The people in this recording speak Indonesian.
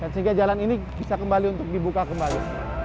sehingga jalan ini bisa kembali untuk dibuka kembali